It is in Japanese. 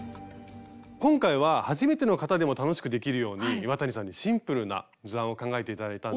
今回は初めての方でも楽しくできるように岩谷さんにシンプルな図案を考えて頂いたんで。